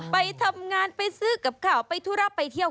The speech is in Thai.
ไปทำงานไปซื้อกับข่าวไปธุระไปเที่ยว